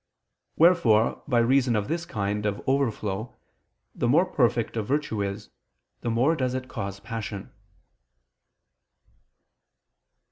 Wherefore by reason of this kind of overflow, the more perfect a virtue is, the more does it cause passion.